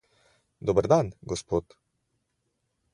Dober dan, gospod.